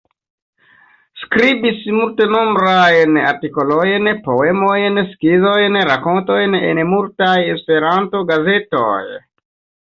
Skribis multnombrajn artikolojn, poemojn, skizojn, rakontojn en multaj Esperanto-gazetoj.